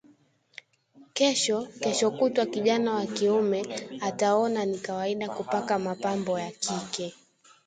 kesho keshokutwa kijana wa kiume ataona ni kawaida kupaka mapambo ya kike